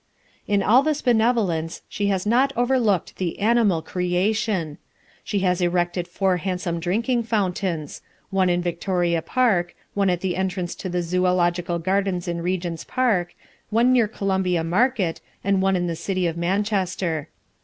In all this benevolence she has not overlooked the animal creation. She has erected four handsome drinking fountains: one in Victoria Park, one at the entrance to the Zoological Gardens in Regent's Park, one near Columbia Market, and one in the city of Manchester.